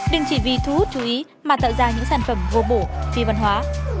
đừng chỉ vì thu hút chú ý mà tạo ra những sản phẩm vô bổ phi văn hóa